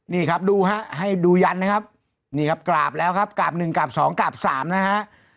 นี่ครับดูฮะให้ดูยันนะครับนี่ครับกราบแล้วครับกราบหนึ่งกราบสองกราบสามนะฮะ